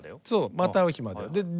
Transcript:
そう「また逢う日まで」を。